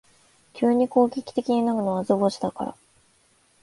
急に攻撃的になるのは図星だから